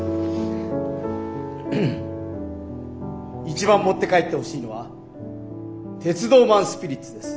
一番持って帰ってほしいのは鉄道マン・スピリッツです。